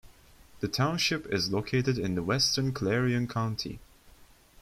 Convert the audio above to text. The township is located in western Clarion County.